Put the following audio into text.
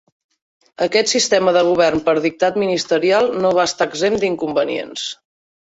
Aquest sistema de govern per dictat ministerial no va estar exempt d'inconvenients.